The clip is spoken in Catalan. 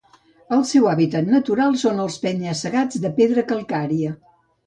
El seu hàbitat natural són els penya-segats de pedra calcària.